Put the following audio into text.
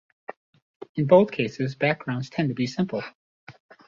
In both cases, backgrounds tend to be simple.